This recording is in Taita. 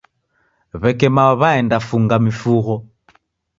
W'eke mao w'aenda funga mifugho